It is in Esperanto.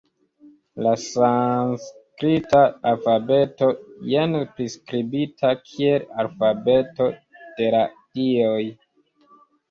La sanskrita alfabeto, jen priskribita kiel “alfabeto de la Dioj”.